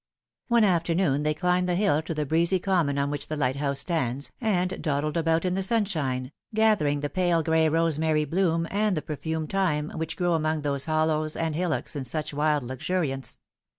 One afternoon they climbed the hill to the breezy common on which the lighthouse stands, and dawdled about in the sunshine, gathering the pale gray rosemary bloom and the perfumed thyme which grow among those hollows and hillocks in such wild luxuriance.